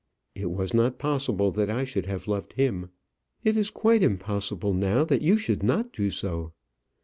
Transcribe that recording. It was not possible that I should have loved him. It is quite impossible now that you should not do so.